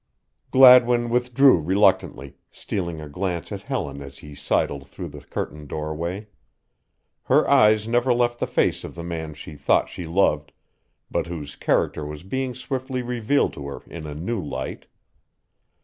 Gladwin withdrew reluctantly, stealing a glance at Helen as he sidled through the curtained doorway. Her eyes never left the face of the man she thought she loved, but whose character was being swiftly revealed to her in a new light.